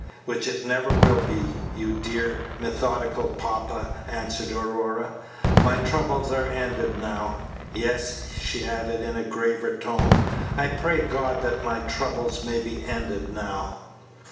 "Which it never will be, you dear methodical papa," answered Aurora. "My troubles are ended now. Yes," she added, in a graver tone, "I pray God that my troubles may be ended now."